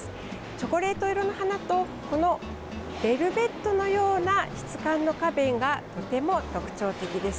チョコレート色の花とベルベットのような質感の花弁がとても特徴的です。